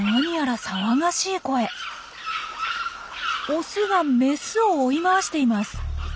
オスがメスを追い回しています。